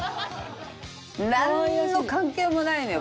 なんの関係もないのよ